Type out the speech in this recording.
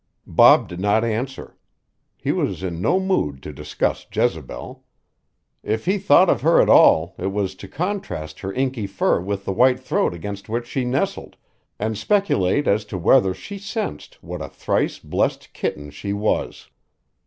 Bob did not answer. He was in no mood to discuss Jezebel. If he thought of her at all it was to contrast her inky fur with the white throat against which she nestled and speculate as to whether she sensed what a thrice blessed kitten she was.